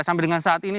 sampai dengan saat ini